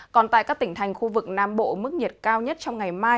còn tại các tỉnh thành khu vực nam bộ mức nhiệt cao nhất trong ngày mai